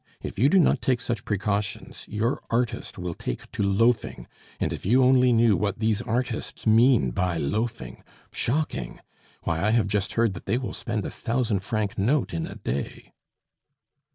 If you do not take such precautions, your artist will take to loafing, and if you only knew what these artists mean by loafing! Shocking! Why, I have just heard that they will spend a thousand franc note in a day!"